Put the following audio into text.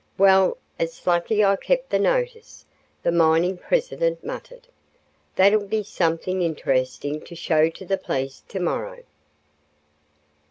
"Well, it's lucky I kept the notice," the mining president muttered. "That'll be something interesting to show to the police tomorrow."